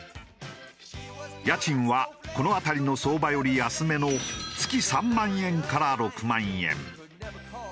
家賃はこの辺りの相場より安めの月３万円から６万円。